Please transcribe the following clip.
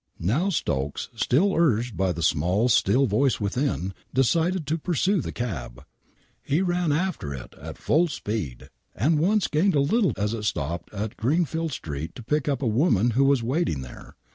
Now Stokes, still urged by the " small, still voice within,'* decided to pursue the cab. mmmmmmnmm^ '"^?.5:S^mi^' WAINWRIGHT MURDER He ran after it at full speed, and once gained a little as it stopped in Greenfield Street to pick up a woman who was waiting there.